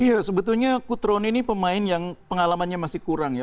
iya sebetulnya kutroni ini pemain yang pengalamannya masih kurang ya